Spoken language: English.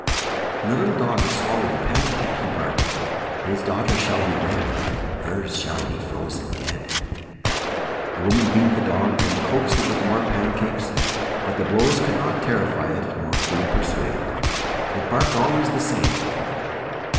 When the little dog had swallowed the pancake, he barked: "His daughter shall be wed; Her's shall be frozen dead." The woman beat the dog, then coaxed it with more pancakes; but the blows could not terrify it nor food persuade. It barked always the same.